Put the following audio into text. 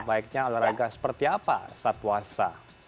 baiknya olahraga seperti apa saat puasa